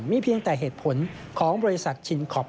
มีเพียงแต่เหตุผลของบริษัทชินคอป